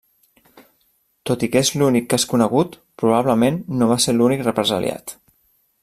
Tot i que és l'únic cas conegut, probablement no va ser l'únic represaliat.